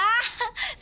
wah selamat ya